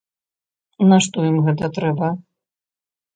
Нашто ім гэта трэба?